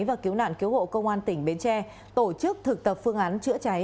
và cứu nạn cứu hộ công an tỉnh bến tre tổ chức thực tập phương án chữa cháy